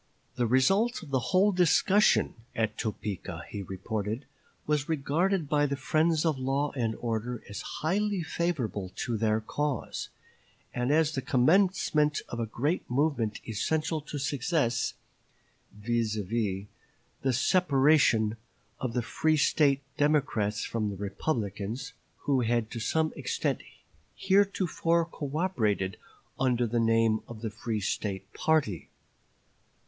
"The result of the whole discussion at Topeka," he reported, "was regarded by the friends of law and order as highly favorable to their cause, and as the commencement of a great movement essential to success; viz., the separation of the free State Democrats from the Republicans, who had to some extent heretofore cooperated under the name of the free State party."